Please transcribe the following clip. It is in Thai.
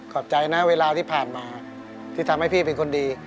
ขอบใจนะเวลาที่ผ่านมาที่ทำให้พี่เป็นคนดี